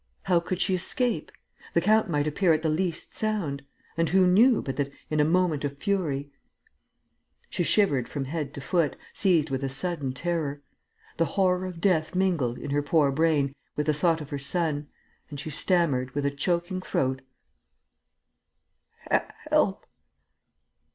How could she escape? The count might appear at the least sound. And who knew but that, in a moment of fury ...? She shivered from head to foot, seized with a sudden terror. The horror of death mingled, in her poor brain, with the thought of her son; and she stammered, with a choking throat: "Help!...